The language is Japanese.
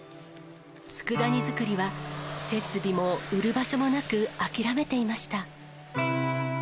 つくだ煮作りは設備も売る場所もなく、諦めていました。